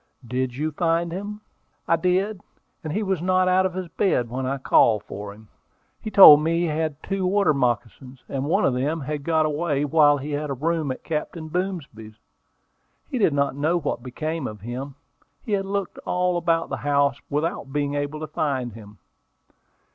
"Did you find him?" "I did; he was not out of his bed when I called for him. He told me he had two water moccasins, and one of them had got away while he had a room at Captain Boomsby's. He did not know what became of him. He had looked all about the house without being able to find him."